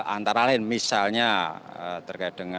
antara lain misalnya terkait dengan